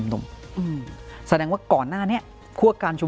ครับคุณผู้ช